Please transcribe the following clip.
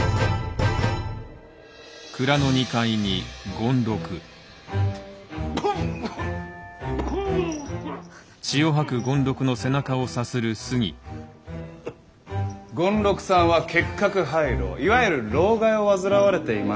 ・権六さんは結核肺労いわゆる労咳を患われていました。